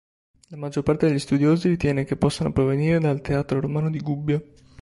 La maggior parte degli studiosi ritiene che possano provenire dal teatro romano di Gubbio.